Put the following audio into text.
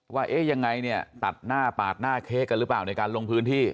ว่าเอ๊ะยังไงเนี่ยตัดหน้าปาดหน้าเค้กกันหรือเปล่าในการลงพื้นที่